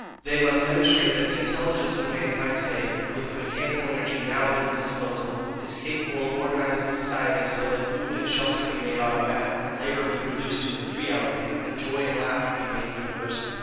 They must demonstrate that the intelligence of mankind to day, with the mechanical energy now at its disposal, is capable of organizing society so that food and shelter be made automatic, labour be reduced to a three hour day, and joy and laughter be made universal.